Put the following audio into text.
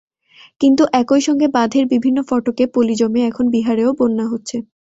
কিন্তু একই সঙ্গে বাঁধের বিভিন্ন ফটকে পলি জমে এখন বিহারেও বন্যা হচ্ছে।